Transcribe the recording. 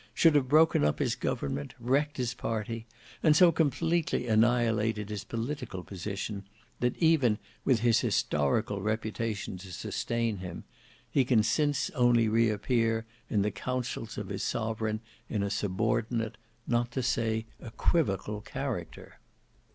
Should have broken up his government, wrecked his party, and so completely annihilated his political position, that, even with his historical reputation to sustain him, he can since only re appear in the councils of his sovereign in a subordinate, not to say equivocal, character?